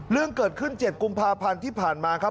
เรื่องเกิดขึ้น๗กุมภาพันธ์ที่ผ่านมาครับ